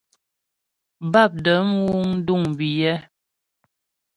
Bápdəm wúŋ duŋ biyɛ́.